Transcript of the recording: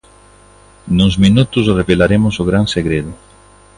Nuns minutos revelaremos o gran segredo.